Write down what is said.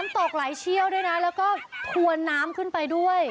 น้ำตกหลายเชี้ยวด้วยนะและก็ถวนน้ำขึ้นไปด้วย